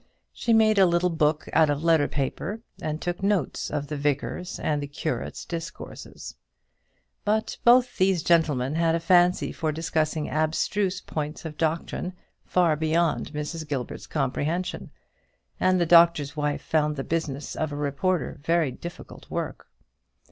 She made a little book out of letter paper, and took notes of the vicar's and the curate's discourses; but both those gentlemen had a fancy for discussing abstruse points of doctrine far beyond Mrs. Gilbert's comprehension, and the Doctor's Wife found the business of a reporter very difficult work.